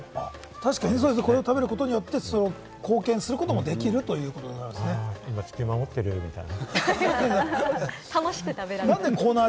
確かにこれを食べることによって、貢献することもできるという今、地球守っているみたいな。